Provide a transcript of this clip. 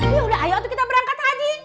yaudah ayo atu kita berangkat haji